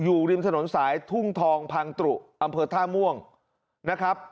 อยู่ริมถนนสายทุ่งทองพังตรุอำเภอท่าม่วงนะครับ